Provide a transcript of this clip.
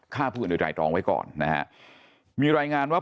ข้าพูดในใจตรองไว้ก่อนนะฮะมีรายงานว่า